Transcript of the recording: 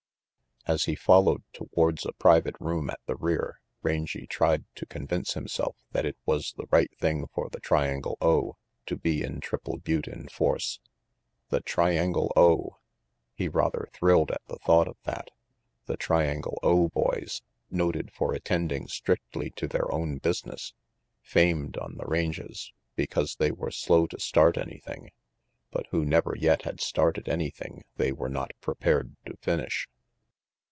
As he followed towards a private room at the rear, Rangy tried to convince himself that it was the right thing for the Triangle O to be in Triple Butte in force. The Triangle O! He rather thrilled at the thought of that. The Triangle O boys, noted RANGY PETE 179 for attending strictly to their own business; famed on the ranges because they were slow to start any thing; but who never yet had started anything they were not prepared to finish.